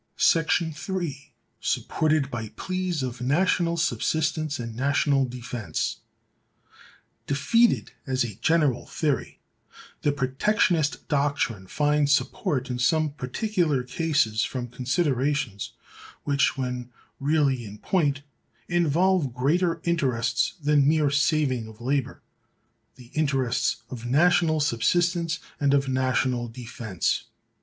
§ 3. —supported by pleas of national subsistence and national defense. Defeated as a general theory, the Protectionist doctrine finds support in some particular cases from considerations which, when really in point, involve greater interests than mere saving of labor—the interests of national subsistence and of national defense.